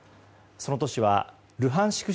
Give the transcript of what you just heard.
その都市はルハンシク